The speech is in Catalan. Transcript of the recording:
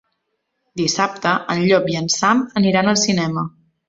Dissabte en Llop i en Sam aniran al cinema.